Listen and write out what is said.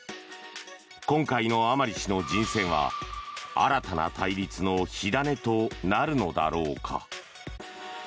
今回の甘利氏の人選は新たな対立の火種となるのだろうか。